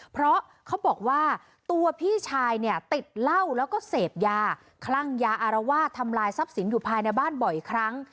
เพราะเขาบอกว่าตัวพี่ชายเนี่ยติดเหล้าแล้วก็เสพยาคลั่งยาอารวาสทำลายทรัพย์สินอยู่ภายในบ้านบ่อยครั้ง